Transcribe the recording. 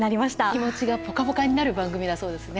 気持ちがポカポカになる番組だそうですね。